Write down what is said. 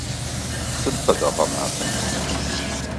Сыд фэда гъэмафэм псыр?